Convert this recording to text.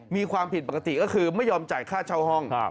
มีความผิดปกติก็คือไม่ยอมจ่ายค่าเช่าห้อง